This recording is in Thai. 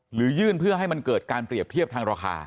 หรือยื่นเพื่อให้มันเกิดการเปรียบเทียบทางราคา